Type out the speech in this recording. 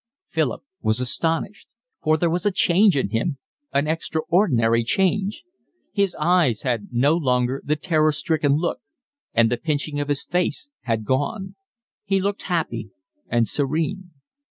Philip was astonished, for there was a change in him, an extraordinary change; his eyes had no longer the terror stricken look, and the pinching of his face had gone: he looked happy and serene.